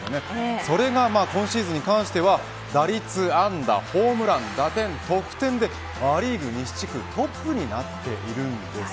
それが今シーズンに関しては打率、安打、ホームラン、打点得点でア・リーグ西地区トップになっているんです。